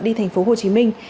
đi thành phố hồ chí minh